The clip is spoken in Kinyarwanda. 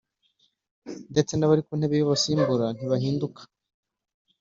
ndetse n’abari ku ntebe y’abasimbura ntibahinduka